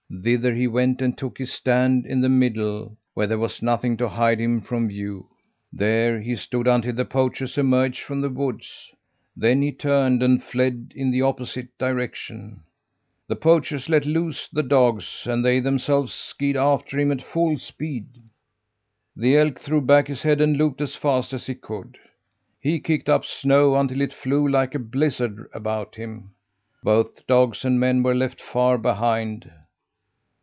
Thither he went and took his stand in the middle, where there was nothing to hide him from view. "There he stood until the poachers emerged from the woods. Then he turned and fled in the opposite direction. The poachers let loose the dogs, and they themselves skied after him at full speed. "The elk threw back his head and loped as fast as he could. He kicked up snow until it flew like a blizzard about him. Both dogs and men were left far behind.